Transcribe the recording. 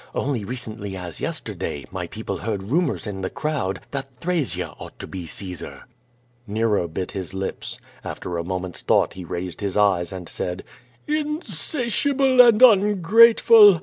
Only re cently as yesterday, my people heard murmurs in the crowd that Thrasea ought to be Caesar." Nero bit his lips. After a moment's thought he raised his eyes and said: "Insatiable and ungrateful!